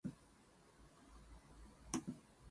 It is locally known for bass fishing.